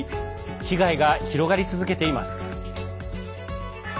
被害が広がり続けています。